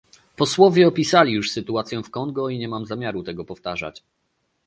Posłowie opisali już sytuację w Kongo i nie mam zamiaru tego powtarzać